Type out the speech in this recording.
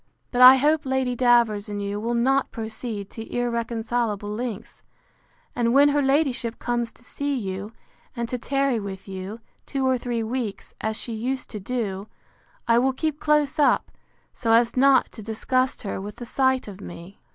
—But I hope Lady Davers and you will not proceed to irreconcilable lengths; and when her ladyship comes to see you, and to tarry with you, two or three weeks, as she used to do, I will keep close up, so as not to disgust her with the sight of me.